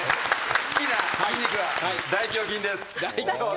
好きな筋肉は大胸筋です。